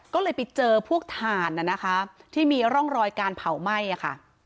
ก็เลยไปเจอพวกถ่านนะคะที่มีร่องรอยการเผาไหม้อะค่ะ